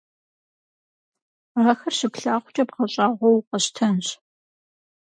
Ахэр щыплъагъукӀэ бгъэщӀагъуэу укъэщтэнщ!